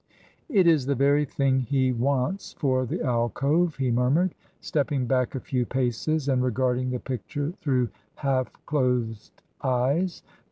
"It is the very thing he wants for the alcove," he murmured, stepping back a few paces, and regarding the picture through half closed eyes.